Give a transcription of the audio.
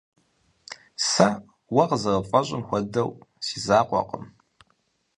Сэ, уэ къызэрыпфӀэщӀым хуэдэу, си закъуэкъым.